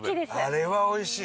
あれはおいしい！